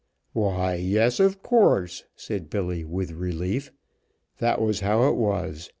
"Why, yes, of course," said Billy, with relief. "That was how it was.